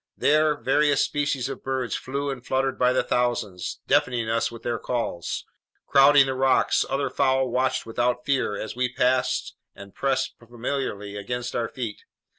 There various species of birds flew and fluttered by the thousands, deafening us with their calls. Crowding the rocks, other fowl watched without fear as we passed and pressed familiarly against our feet.